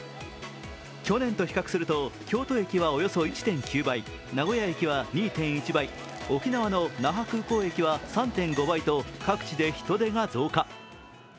去年と比較すると、京都駅はおよそ１．９倍、名古屋駅は２．１倍、沖縄の那覇空港駅は３．５倍と各地で人出が増加。